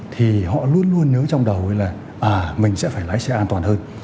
thì họ luôn luôn nếu trong đầu là à mình sẽ phải lái xe an toàn hơn